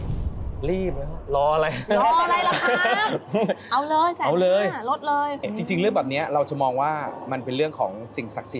มันมองทุกอย่างก็ได้